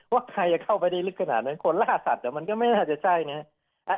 ว่าใครจะเข้าไปได้ลึกขนาดนั้นคนล่าสัตว์มันก็ไม่น่าจะใช่ไง